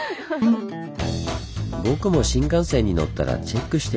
僕も新幹線に乗ったらチェックしてみよう！